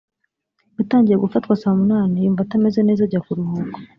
yatangiye gufatwa saa munani yumva atameze neza ajya kuruhuka